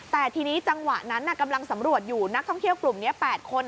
แต่ทีนี้จังหวะนั้นกำลังสำรวจอยู่นักท่องเที่ยวกลุ่มนี้๘คน